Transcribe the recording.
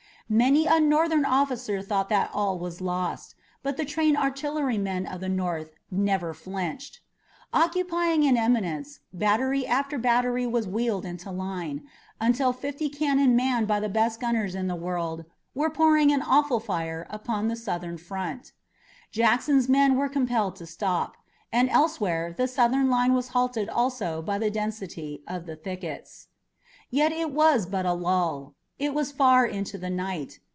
Many a Northern officer thought that all was lost, but the trained artillerymen of the North never flinched. Occupying an eminence, battery after battery was wheeled into line, until fifty cannon manned by the best gunners in the world were pouring an awful fire upon the Southern front. Jackson's men were compelled to stop, and elsewhere the Southern line was halted also by the density of the thickets. Yet it was but a lull. It was far into the night.